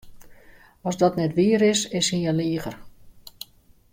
As dat net wier is, is hy in liger.